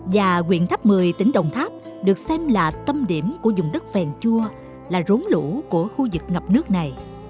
và quyền tháp một mươi tỉnh đồng tháp được xem là tâm điểm của dùng đất phèn chua là rốn lũ của khu vực ngập nước này